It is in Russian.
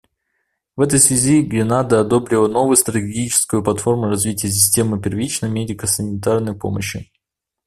В этой связи Гренада одобрила новую стратегическую платформу развития системы первичной медико-санитарной помощи.